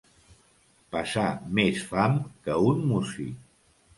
Passar més fam que un músic.